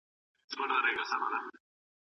ایا سوله په ټولنه کي سته؟